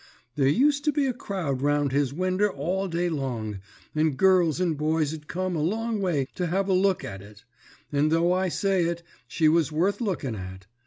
There used to be a crowd round his winder all day long, and girls and boys 'd come a long way to have a good look at it; and though I say it, she was worth looking at.